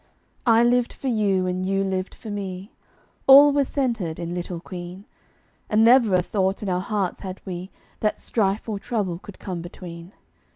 I lived for you, and you lived for me; All was centered in "Little Queen;" And never a thought in our hearts had we That strife or trouble could come between.